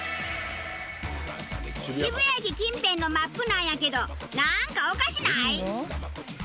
渋谷駅近辺のＭＡＰなんやけどなんかおかしない？